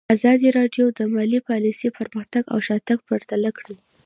ازادي راډیو د مالي پالیسي پرمختګ او شاتګ پرتله کړی.